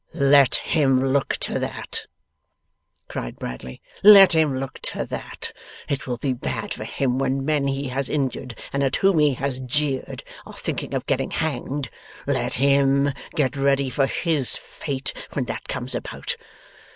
'Let him look to that,' cried Bradley. 'Let him look to that! It will be bad for him when men he has injured, and at whom he has jeered, are thinking of getting hanged. Let HIM get ready for HIS fate, when that comes about.